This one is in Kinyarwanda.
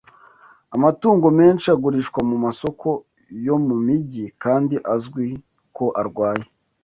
Amatungo menshi agurishwa mu masoko yo mu mijyi kandi azwi ko arwaye